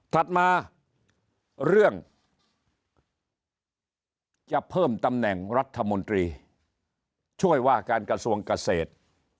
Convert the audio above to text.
ถัดมาเรื่องจะเพิ่มตำแหน่งรัฐมนตรีช่วยว่าการกระทรวงเกษตร